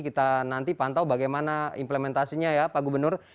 kita nanti pantau bagaimana implementasinya ya pak gubernur